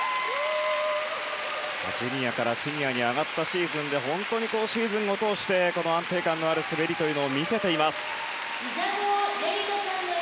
ジュニアからシニアに上がったシーズンで本当にシーズンを通して安定感のある滑りを見せています。